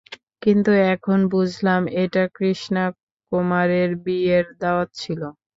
কিন্তু এখন বুঝলাম এটা কৃষ্ণা কুমারের বিয়ের দাওয়া ছিল।